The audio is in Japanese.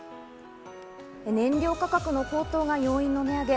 燃料価格の高騰が要因の値上げ。